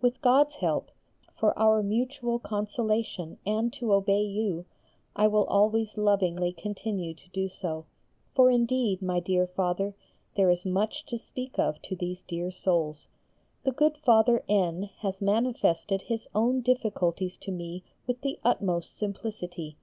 With God's help, for our mutual consolation and to obey you, I will always lovingly continue so to do, for indeed, my dear Father, there is much to speak of to these dear souls. The good Father N. has manifested his own difficulties to me with the utmost simplicity.